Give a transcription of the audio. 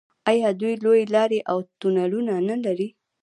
آیا دوی لویې لارې او تونلونه نلري؟